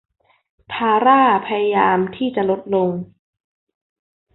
ธาร่าพยายามที่จะลดลง